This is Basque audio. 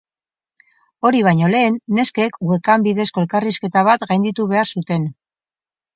Hori baino lehen, neskek webcam bidezko elkarrizketa bat gainditu behar zuten.